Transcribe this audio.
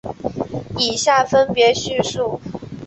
以下分别叙述。